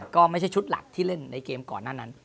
ก็ไม่ใช่ชุดหลักที่เล่นในเกมก่อนหน้านั้น